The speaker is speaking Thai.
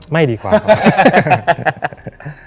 ไม่ดีกว่าครับ